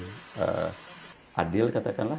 jadi kita harus melakukan hal yang adil katakanlah